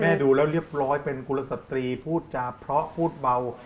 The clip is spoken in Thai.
ดูแล้วเรียบร้อยเป็นกุลสตรีพูดจาเพราะพูดเบา